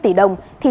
thì trong vụ chuyến